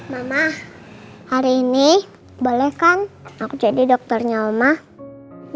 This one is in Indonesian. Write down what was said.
mbak ma hari ini boleh kan aku jadi dokternya mbak ma